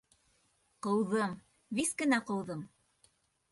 Ҡыуҙым, вис кенә ҡыуҙым.